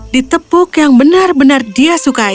ditepuk yang benar benar dia sukai